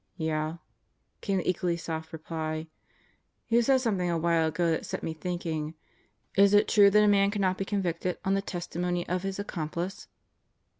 "Yeh?" came the equally soft reply. "You said something a while ago that set me thinking. Is it true that a man cannot be convicted on the testimony of his accomplice?"